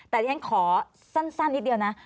แต่ที่ฉันขอสั้นนิดเดียวนะ